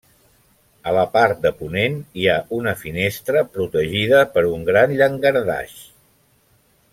A la part de ponent hi ha una finestra protegida per un gran llangardaix.